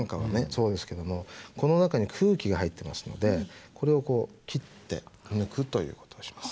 そうですけどもこの中に空気が入ってますのでこれをこう切って抜くということをします。